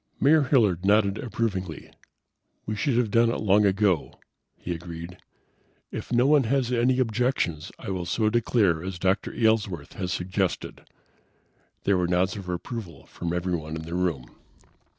Mayor Hilliard nodded approvingly. "We should have done it long ago," he agreed. "If no one has any objections I will so declare as Dr. Aylesworth has suggested." There were nods of approval from everyone in the room.